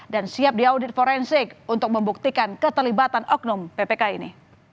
dan siap diaudit forensik untuk membuktikan keterlibatan oknum ppk ini